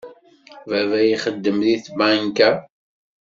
Baba ixeddem deg tbanka.